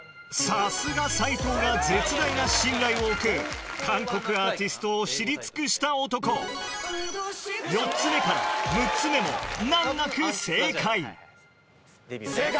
さすが斎藤が絶大な信頼を置く韓国アーティストを知り尽くした男４つ目から６つ目も難なく正解正解！